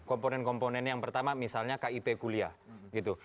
komponen komponen yang pertama misalnya kip kuliah gitu